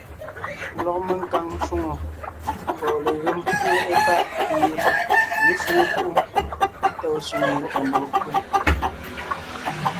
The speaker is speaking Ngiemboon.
Lɔg menkaŋ shwòŋo mbɔɔ legém ŋweʼe páʼ pi ye ně shwóŋo púʼu tá ɔ̀ sẅiŋe kandoŋ pwó yé.